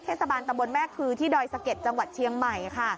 เทศบาลตำบลแม่คือที่ดอยสะเก็ดจังหวัดเชียงใหม่ค่ะ